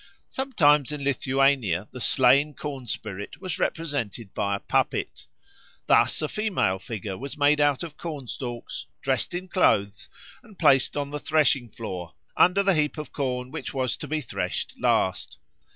Sometimes in Lithuania the slain corn spirit was represented by a puppet. Thus a female figure was made out of corn stalks, dressed in clothes, and placed on the threshing floor, under the heap of corn which was to be threshed last.